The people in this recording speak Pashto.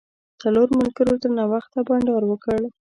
څلورو ملګرو تر ناوخته بانډار وکړ.